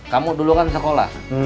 kamu dulu kan sekolah